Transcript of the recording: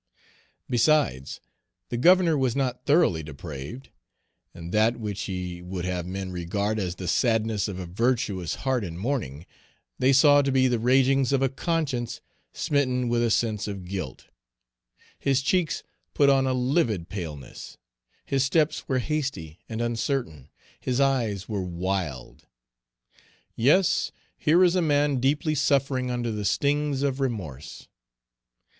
Besides, the governor was not thoroughly depraved; and that which he would have men regard as the sadness of a virtuous heart in mourning, they saw to be the ragings of a conscience smitten with a sense of guilt; his cheeks put on a livid Page 286 paleness; his steps were hasty and uncertain; his eyes were wild. Yes, here is a man deeply suffering under the stings of remorse.